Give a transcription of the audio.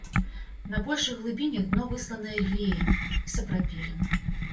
На большых глыбінях дно высланае глеем і сапрапелем.